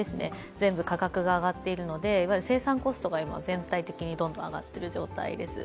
全部価格が上がっているので生産コストが今全体的にどんどん上がっている状態です。